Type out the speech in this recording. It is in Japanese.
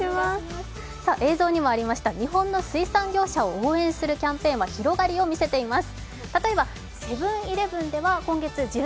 映像にもありました、日本の水産業者を応援するキャンペーンは広がりを見せています